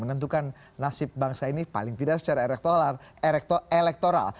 menentukan nasib bangsa ini paling tidak secara elektoral